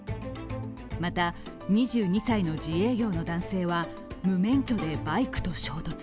また、２２歳の自営業の男性は無免許でバイクと衝突。